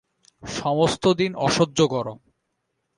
সমস্ত দিন অসহ্য গরম।